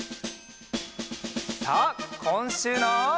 さあこんしゅうの。